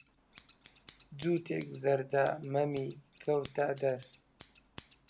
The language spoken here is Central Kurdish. جووتیک زەردە مەمی کەوتەدەرە.